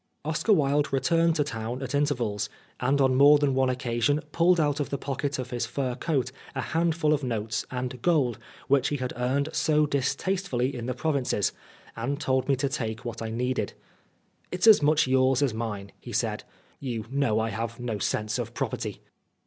Oscar Wilde returned to town at intervals, and on more than one occasion pulled out of 88 Oscar Wilde the pocket of his fur coat a handful of notes and gold which he had earned so distastefully in the provinces, and told me to take what I needed. " It's as much yours as mine," he said. " You know I have no sense of property."